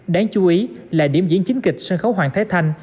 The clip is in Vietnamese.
đáng chú ý là điểm diễn chính kịch sân khấu hoàng thế thanh